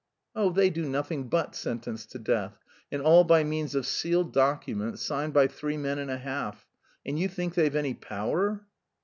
"Oh, they do nothing but sentence to death, and all by means of sealed documents, signed by three men and a half. And you think they've any power!"